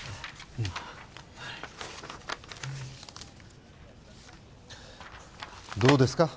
うんどうですか？